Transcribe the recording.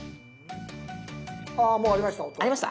もうありました。